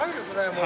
もう。